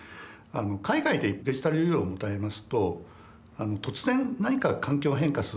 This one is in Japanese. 海外でデジタルユーロを持たれますと突然何か環境が変化するとですね